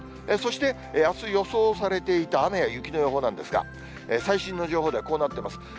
そして、あす予想されていた雨や雪の予報なんですが、最新の情報ではこうなってます。